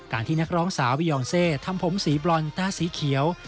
ที่นักร้องสาววียองเซทำผมสีบรอนต้าสีเขียว